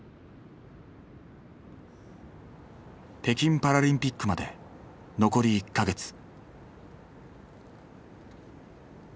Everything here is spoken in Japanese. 北京パラリンピックまで残り１か月。